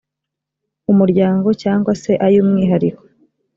umuryango cyangwa se ay umwihariko